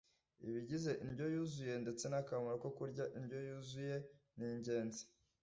ibigize indyo yuzuye ndetse n’akamaro ko kurya indyo yuzuye ni ingenzi